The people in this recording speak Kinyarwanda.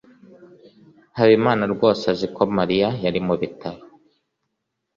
habimana rwose azi ko mariya ari mubitaro